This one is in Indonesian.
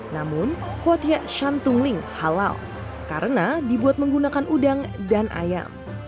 namun kuotie shantung ling halal karena dibuat menggunakan udang dan ayam